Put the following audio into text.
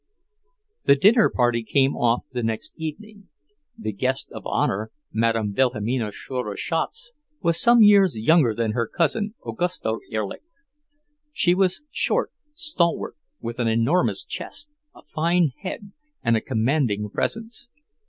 The dinner party came off the next evening. The guest of honour, Madame Wilhelmina Schroeder Schatz, was some years younger than her cousin, Augusta Erlich. She was short, stalwart, with an enormous chest, a fine head, and a commanding presence.